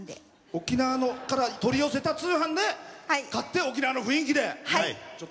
沖縄から取り寄せた通販で買って沖縄の雰囲気で。